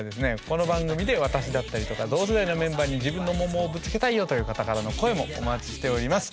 この番組で私だったりとか同世代のメンバーに自分のモンモンをぶつけたいよという方からの声もお待ちしております。